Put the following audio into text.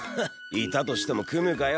いたとしても組むかよ。